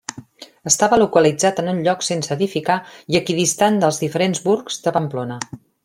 Estava localitzat en un lloc sense edificar i equidistant dels diferents Burgs de Pamplona.